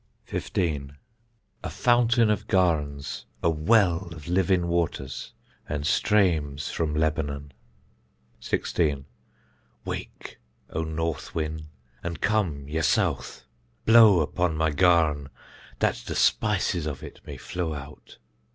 15. A fountain of garns, a well of livin waters, an straims from Lebanon. 16. Wake, O north win, an come, ye south; blow upon my garn, dat de spices of it may flow out.